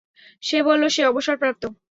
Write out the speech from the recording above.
সে বলল সে অবসরপ্রাপ্ত।